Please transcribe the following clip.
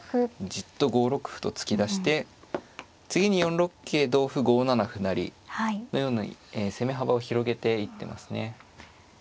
じっと５六歩と突き出して次に４六桂同歩５七歩成のように攻め幅を広げていってますね。